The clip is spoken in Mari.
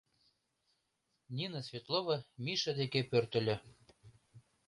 Нина Светлова Миша деке пӧртыльӧ.